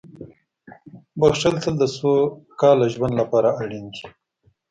• بښل تل د سوکاله ژوند لپاره اړین دي.